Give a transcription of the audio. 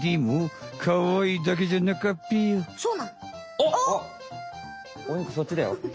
お肉そっちだよ。